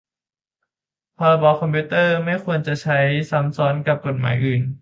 พรบคอมพ์ ก็ไม่ควรจะใช้ซ้ำซ้อนกับกฎหมายอื่น